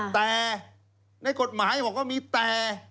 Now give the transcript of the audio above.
แต่ในกฎหมายมันก็มีแต่